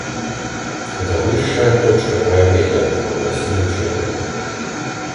Это высшая точка проявления духовной силы человека.